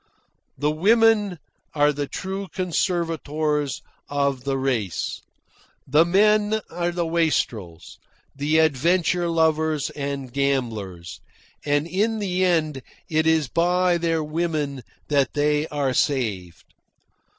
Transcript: The women are the true conservators of the race. The men are the wastrels, the adventure lovers and gamblers, and in the end it is by their women that they are saved.